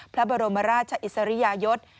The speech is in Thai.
พระบรมราชอิสริยยศ